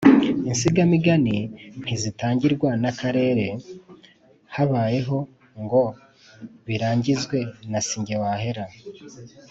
insigamigani ntizitangirwa na kera habayeho ngo birangizwe na si nge wahera,